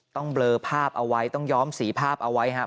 เบลอภาพเอาไว้ต้องย้อมสีภาพเอาไว้ครับ